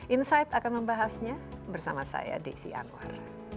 insight akan membahasnya bersama saya desi anwar